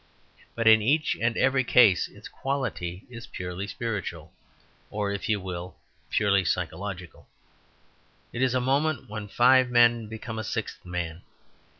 But in each and every case its quality is purely spiritual, or, if you will, purely psychological. It is a moment when five men become a sixth man.